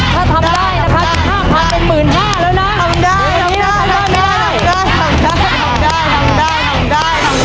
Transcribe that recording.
แล้วทำได้นะครับสิทธิ์ที่ถ้าพาเป็นหมื่นห้าแล้วน่ะ